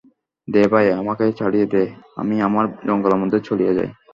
দে ভাই, আমাকে ছাড়িয়া দে, আমি আমার জঙ্গলের মধ্যে চলিয়া যাই।